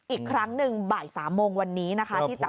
อีกครั้งหนึ่งบ่าย๓โมงวันนี้นะคะ